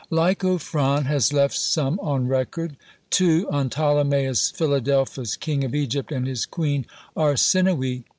Lycophron has left some on record, two on PtolemÃḊus Philadelphus, King of Egypt, and his Queen Arsinöe.